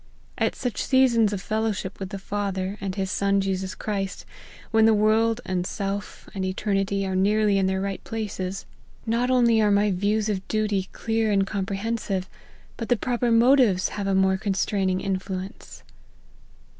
At such sea sons of fellowship with the Father, and his Son Jesus Christ, when the world, and self, and eternity, are nearly in their right places, not only are my LIFE OF HENRY MARTYN. 43 X'iews of duty clear and comprehensive,, but the proper motives have a more constraining influence.'